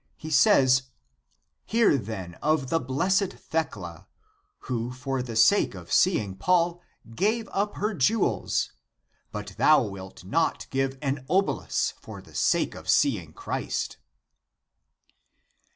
he saj's :" Hear then of the blessed Thecla, who for the sake of seeing Paul, gave up her jewels ; but thou wilt not give an obolus for the sake of seeing Christ."